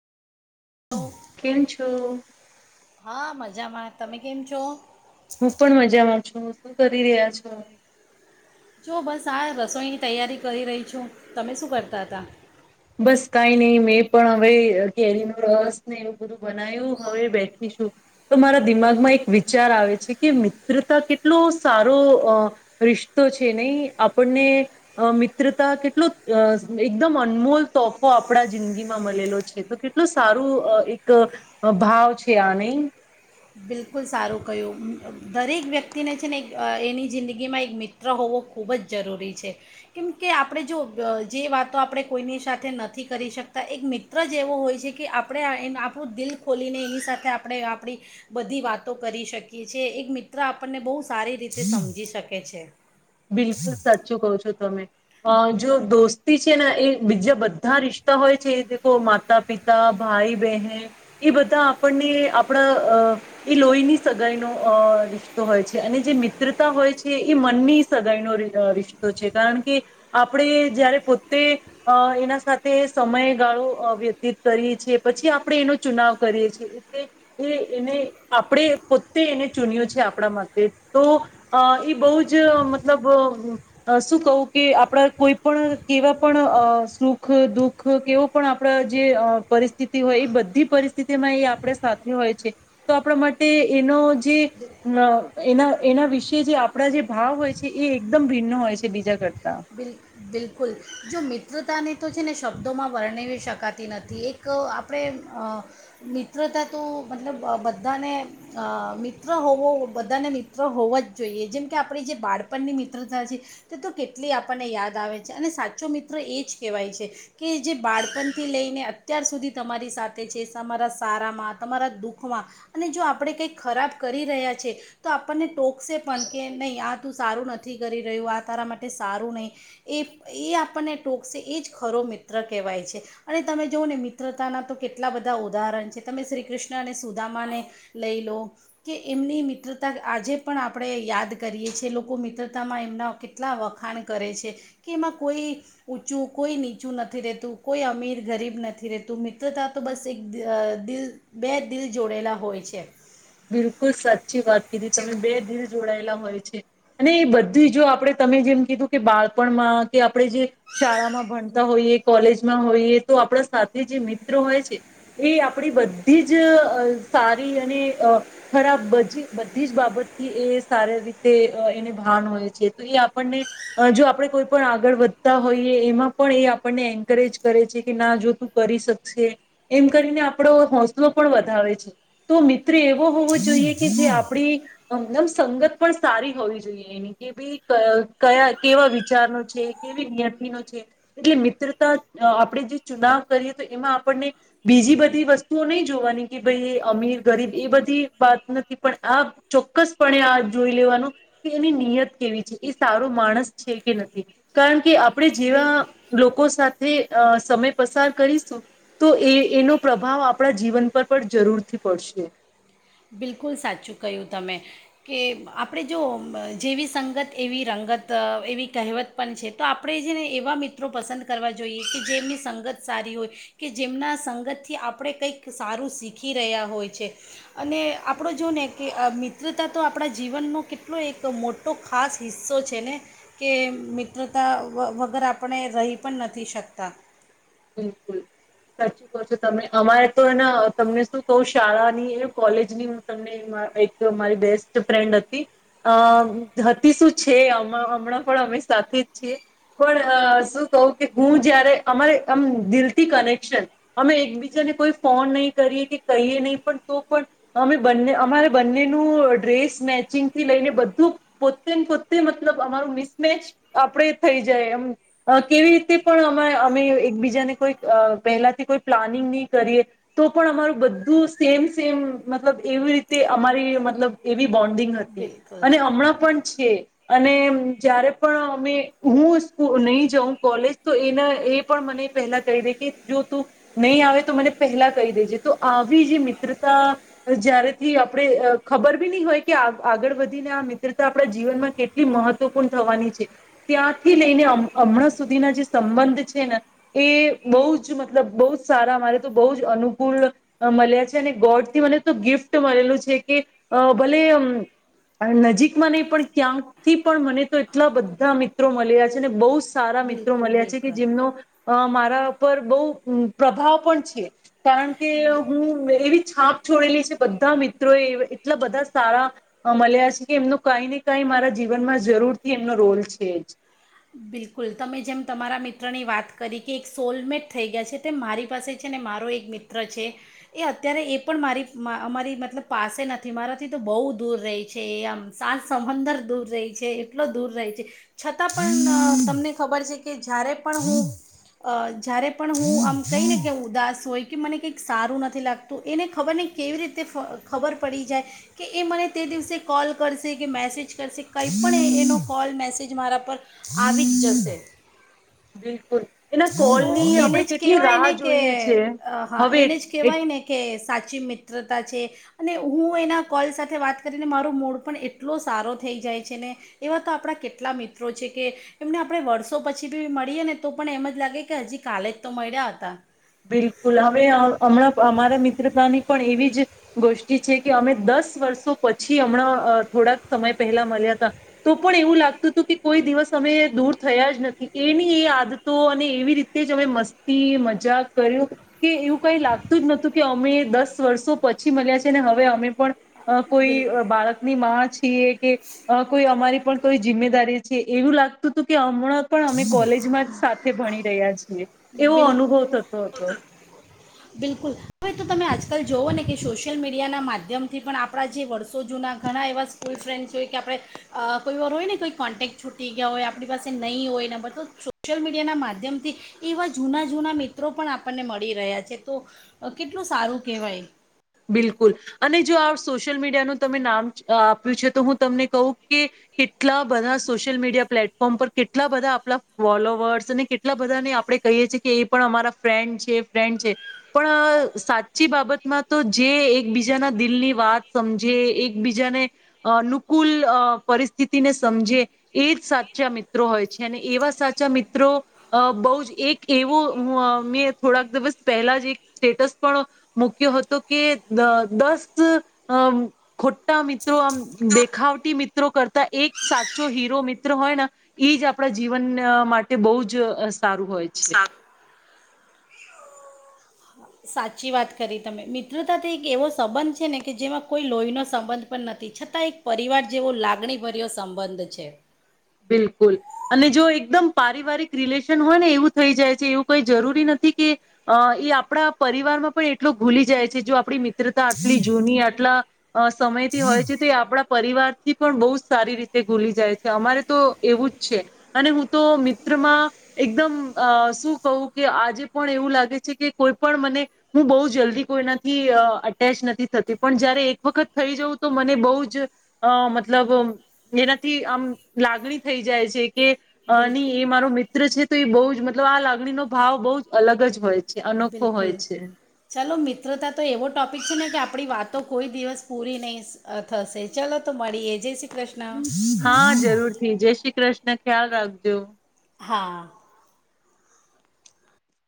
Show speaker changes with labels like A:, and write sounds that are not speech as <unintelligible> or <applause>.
A: કેમ છો?
B: હા મજામાં તમે કેમ છો?
A: હું પણ મજામાં શું કરી રહ્યા છો?
B: જો બસ આ રસોઈની તૈયારી કરી રહી છું તમે શું કરતા હતા?
A: બસ કઈ નહીં, મેં પણ હવે કેરીનો રસ ને એવું બધું બનાયું, હવે બેઠી છું, તો મારા દિમાગમાં એક વિચાર આવે છે કે મિત્રતા કેટલો સારો રિશ્તો છે નહી? આપણને મિત્રતા કેટલો એકદમ અનમોલ તોફો આપણા જિંદગીમાં મલેલો છે, તો કેટલો સારું એક ભાવ છે આ નહીં?
B: બિલકુલ સારું કહ્યું. દરેક વ્યક્તિને છે ને એની જિંદગીમાં એક મિત્ર હોવો ખૂબ જ જરૂરી છે, કેમ કે આપણે જો જે વાતો આપણે કોઈની સાથે નથી કરી શકતા એક મિત્ર જ એવો હોય છે કે આપણે એ આપણું દિલ ખોલીને એની સાથે આપણે આપણી બધી વાતો કરી શકીએ છીએ. એક મિત્ર આપણને બહુ સારી રીતે સમજી શકે છે.
A: બિલકુલ સાચું કહો છો તમે. અ જો દોસ્તી છે ને એ બીજા બધા રિશ્તા હોય છે, માતા પિતા, ભાઈ બહેન એ બધા આપણને આપણા એ લોહીની સગાઈનો અ રિશ્તો હોય છે. અને જે મિત્રતા હોય છે એ મનની સગાઈનો રિશ્તો છે. કારણ કે આપણે જયારે પોત્તે એના સાથે સમયગાળો વ્યતીત કરીએ છીએ, પછી આપણે એનો ચુનાવ કરીએ છીએ. એટલે એ એને આપણે પોતે એને ચૂન્યું છે, આપણા માટે. તો અ એ બહુ જ મ મતલબ શું કહું કે આપણા કોઈ પણ કેવા પણ સુખ દુખ, કેવો પણ આપણા જે પરિસ્થિતિ હોય એ બધી પરિસ્થિતિમાં એ આપણે સાથે હોય છે. તો આપણા માટે એનો જે એના એના વિશે જે આપણા જે ભાવ હોય છે એ એ એકદમ ભિન્ન હોય છે, બીજા કરતા
B: બિલ બિલકુલ. જો મિત મિત્રતાને તો છે ને, શબ્દોમાં વર્ણવી શકાતી નથી. એક આપણે મિત્રતા તો મતલબ બધાને મિત્ર હોવો બધાને મિત્ર હોવા જ જોઈએ. જેમ કે આપણી જે બાળપણની મિત્રતા છે તે તો કેટ ટલી આપણને યાદ આવે છે. અને સાચો મિત્ર એ જ કહેવાય છે કે જે બાળપણથી લઈને અત્યાર સુધી તમારી સાથે છે, તમારા સારામાં, તમારા દુઃખમાં અને જો આપણે કંઈ ખરાબ કરી રહ્યા છે, તો આપણને ટોકશે પણ. કે નહીં આ તું સારું નથી કરી રહ્યું આ તારા માટે માટે સારું નહીં એ એ આપણને ટોકશે એ જ ખરો મિત્ર કહેવાય છે. અને તમે જુઓ ને મિત્રતાના તો કેટલા બધા ઉદાહરણ છે. તમે શ્રી કૃષ્ણ અને સુદામાને લઈ લો, કે એમની મિત્રતા આજે પણ આપણે યાદ કરીએ છીએ. લોકો મિત્રતામાં એમના કેટલા વખાણ કરે છે. કે એમાં કોઈ ઊંચું કોઈ નીચું નથી રહેતું, કોઈ અમીર ગરીબ નથી રહેતું, મિત્રતા તો બસ એક દિલ બે દિલ જોડેલા હોય છે.
A: બિલકુલ સા ચી વાત કીધી તમે. બે દિલ જોડાયેલા હોય છે. અને એ બધી જો આપણે તમે જેમ કીધું કે બાળપણમાં, કે આપણે જે શાળામાં ભણતા હોઈએ કોલેજમાં હોઈએ, તો આપણા સાથે જે મિત્રો હોય છે એ આપડી બધી જ સારી અને ખરાબ બજી બધી જ બાબતથી એ સારી રીતે એને ભાન હોય છે. તો એ આપણને જો આપણે કોઈ પણ આગળ વધતા હોઈએ, એમાં પણ એ આપણને એન્કરેજ કરે છે કે, ના જો તું કરી શકશે. એમ કરીને આપણો હોસલો પણ વધારે છે. તો <unintelligible> મિત્ર એવો હોવો જોઈએ કે જે આપણી મતલબ સંગત પણ સારી હોવી જોઈએ એની. કે ભાઈ કયા કેવા વિચારનો છે કેવી નિયતિ નો છે. એટલે મિત્રતા આપણે જે ચુનાવ કરીએ તો એમાં આપણને બીજી બધી વસ્તુઓ નહીં જોવાની કે ભાઈ અમીર ગરીબ એ બધી વાત નથી, પણ આ ચોક્કસપણે આ જોઈ લેવાનું કે એની નિયત કેવી છે, એ સારો માણસ છે કે નથી. કારણ કે આપણે
B: બિલ
A: જેવા લોકો સા તે અ સમય પસાર કરીશું. તો એ એનો પ્રભાવ આપળા જીવન પર પળ જરૂરથી પડશે.
B: બિલકુલ સાચું કહ્યું તમે કે, આપણે જોવો મ જેવી સંગત એવી રંગત એવી કહેવત પણ છે. તો આપણે જેને એવા મિત્રો પસંદ કરવા જોઈએ કે જેમની સંગત સારી હોય કે જેમના સંગતથી આપણે કંઈક સારું શીખી રહ્યા હોય છે. અને આપણો જો ને કે અ મિત્રતા તો આપણા જીવનનો કેટલો એક મોટો ખાસ હિસ્સો છે ને કે મિત્રતા વ વગર આપણે રહી પણ નથી શકતા.
A: બિલકુલ, સાચું કો છો તમે. અમારે તો એન તમને શું કહું શાળા ની એ કોલેજની હૂં તમને વા એક મારી બેસ્ટ ફ્રેન્ડ હતી. અ હતી શું છે હમ હમણાં પણ અમે સાથે જ છીએ. પણ, અ શું કહું કે હું જયારે અમારે અમ્મ દિલથી કનેક્શન. અમે એકબીજાને કોઈ ફોન નહીં કરીએ કે કહીએ નહીં પણ તો પણ અમે બંને અમારા બંનેનું ડ્રેસ મેચિંગ થી લઈને બધું પોતે ન પોતે મતલબ અમારું મિસમેચ આપણે થઈ જાય એમ. અ કેવી રીતે પણ અમ અમે એ ક બીજાને કોઈ અ પહેલાથી કોઈ પ્લાનિંગ નહી કરીએ તો પણ અમારું બધું સેમ સેમ મતલબ એવી રીતે અમારી મતલબ એવી બોન્ડિંગ હતી
B: બિલકુલ
A: અને હમણાં પણ છે. અને જયારે પણ અમે હું સ્કૂ નહી જાઉં કોલેજ તો એના એ પણ મને પહેલા કહી દે કે જો તું નહીં આવે તો મને પહેલા કહી દેજે. તો આવી જે મિત્રતા જયારેથી આપણે અ ખબર બી ની હોય કે આ આગળ વધીને આ મિત્રતા આપણા જીવનમાં કેટલી મહત્વપૂર્ણ થવાની છે. ત્યાંથી લઈને અમ અમણાં સુધીના જે સંબંધ છે ને એ બઉ જ મતલબ બહુ જ સારા અમારે તો બહુ જ અનુકૂળ અ મલ્યાં છે અને ગોડથી મને તો ગિફ્ટ મળેલું છે કે અ ભલે અમ્મ અ નજીકમાં નહીં પણ ક્યાંક થી પણ મને તો એટલા બધા મી ત્રો મલી રહ્યા છે ને બોવ સારા મિત્રો
B: બિલકુલ
A: મલ્યાં છે કે
B: બિલકુલ
A: જેમનો અ મારા પર બોવ અમ્મ પ્રભાવ પણ છે. કારણ કે, હું વેર એવી છાપ છોડેલી છે બધા મિત્રો એ એટલા બધા સારા અ મલ્યાં છે કે એમનું કાઈ ને કઈ મારા જીવનમાં જરૂરથી એમનો રોલ છે જ.
B: બિલકુલ, તમે જેમ તમારા મિત્રની વાત કરી કે એક સોલમેટ થઈ ગયા છે. તેમ મારી પાસે છે ને મારો એક મિત્ર છે એ અત્યારે એ પણ મારી મા અમારી મતલબ પાસે નથી. મારાથી તો બોવ દૂર રેય છે એ આમ સાત સમંદર દૂર રેય છે. એટલો દૂર રહે છે. છતાં પણ તમને ખબર છે કે, જ્યારે પણ હું અ જ્યારે પણ હું આમ કંઈ ને કે ઉદાસ હોય કે મને કંઈક સારું નથી લાગતું. એને ખબર નય કેવી રીતે ફ ખબર પડી જાય કે એ મને તે દિવસે કોલ કરશે કે મેસેજ કરશે કંઈ પણ એનો કોલ મેસેજ મારા પર આવી જ જશે.
A: બિલકુલ. એના
B: તો
A: કોલની
B: એને
A: આપણે
B: જ
A: કેટલી
B: કેવાય
A: રાહ
B: ને કે
A: જોઈએ છે
B: અ હા
A: હવે
B: એને જ કેવાય ને કે સા ચી મિત્રતા છે અને હું એના કોલ સાથે વાત કરીને મારૂ મૂડ પણ એટલો સારો થઈ જાય છે ને એવા તો આપણા કેટલા મિત્રો છે કે એમને આપણે વર્ષો પછી બી મળીએ ને તો પણ એમ જ લાગે કે હજી કાલે જ તો મળ્યા હતા.
A: બિલકુલ હવે હમણાં અમારા મિત્રતાની પણ એવી જ ગોષઠી છે કે અમે દસ વર્ષો પછી હમણાં થોડાક સમય પહેલા મળ્યા હતા, તો પણ એવું લાગતું હતું કે કોઈ દિવસ અમે દૂર થયા જ નથી એની એ આદતો અને એવી રીતે જ અમે મસ્તી મજાક. કર્યું કે એવું કઈ લાગતું જ નતું કે અમે દસ વર્ષો પછી મળ્યા છે ને હવે અમે પણ અ
B: બિલ
A: કોઈ બાળકની માં છીએ કે કોઈ અમારી પણ કોઈ જિમ્મેદારી છે એવું લાગતું હતું કે હમણાં પણ અમે કોલેજમાં જ સાથે ભણી રહ્યા છીએ, એવો
B: બિલ
A: અનુભવ થતો. હતો
B: બિલકુલ. તો તમે આજકાલ જુઓ ને કે સોશિયલ મીડિયાના માધ્યમથી પણ આપણા જે વર્ષો જૂના ઘણા એવા સ્કૂલ ફ્રેન્ડ્સ હોય કે, આપણે અહ કોઈ વાર હોય ને કોઈ કોન્ટેક્ટ છૂટી ગયા હોય આપણી પાસે નહીં હોય ન અમે તો સોશિયલ મીડિયા ના માધ્યમથી એવા જૂના-જૂના મિત્રો પણ આપણને મળી રહ્યા છે તો અહ કેટલું સારું કહેવાય.
A: બિલકુલ, અને જો આ સોશિયલ મીડિયાનું તમે નામ અહ આપ્યું છે, તો હું તમને કહું કે કેટલા બધા સોશિયલ મીડિયા પ્લેટફોર્મ પર કેટલા બધા આપણા ફોલોવર્સ અને કેટલા બધાને આપણે કહીએ છીએ, કે એ પણ અમારા ફ્રેન્ડ છે ફ્રેન્ડ છે પણ અહ સાચી બાબતમાં તો જે એકબીજાના દિલની વાત સમજે એકબીજાને અનુકૂલ અહ પરિસ્થિતિને સમજે એજ સાચા મિત્રો હોય છે, અને એવા સાચા મિત્રો અહ બહુ જ એક એવો મેં થોડાક દિવસ પહેલા જ એક સ્ટેટસ પણ મૂકયુ હ તો કે દસ અ ખોટા મિત્રો આમ દેખાવટી મિત્રો કરતા એક સાચો હીરો મિત્ર હોય ને એ જ આપણા જીવન માટે બહુ જ સારું હોય છે.
B: સાચી વાત કરી તમે મિત્રતાથી એક એવો સંબંધ છે ને કે જેમાં કોઈ લોહીનો સંબંધ પણ નથી છતાં એક પરિવાર જેવો લાગણીભર્યો સંબંધ છે.
A: બિલકુલ અને જો એકદમ પારિવારિક રિલેશન હોય ને એવું થઈ જાય છે એવું કઈ જરૂરી નથી કે અ એ આપણા પરિવારમાં પણ એટલો ભૂલી જાય છે, જો આપણી મિત્રતા આટલી જૂની આટલા સમયથી હોય છે તો એ આપણા પરિવારથી પણ બહુ જ સારી રીતે ભૂલી જાય છે અમારે તો એવું જ છે અને હું તો મિત્રમાં એકદમ શું કહું કે આજે પણ એવું લાગે છે કે કોઈ પણ મને હું બહુ જલ્દી કોઈનાથી અટેચ નથી થતી પણ, જયારે એક વખત થઈ જઉં તો મને બહુ જ મતલબ એનાથી આમ લાગણી થઈ જાય છે. કે ની એ
B: બિલકુલ
A: મારો મિત્ર છે. તો એ બહુ જ મતલબ આ લાગણીનો ભાવ બહુ જ અલગ જ હોય છે. અનોખો
B: બિલકુલ
A: હોય છે.
B: ચાલો મિત્રતા તો એવો ટોપિક છે ને કે આપણી વાતો કોઈ દિવસ પૂરી નહીં અહ થશે, ચલો તો મળીએ. જય શ્રી કૃષ્ણ
A: હા જરૂર થી, જય શ્રી કૃષ ને ખ્યાલ રાખજો.
B: હા.